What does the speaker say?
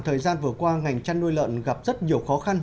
thời gian vừa qua ngành chăn nuôi lợn gặp rất nhiều khó khăn